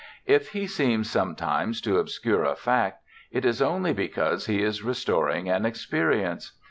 If he seems sometimes to obscure a fact, it is only because he is restoring an experience.